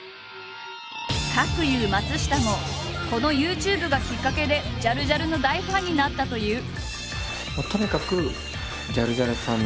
かくいう松下もこのＹｏｕＴｕｂｅがきっかけでジャルジャルの大ファンになったという。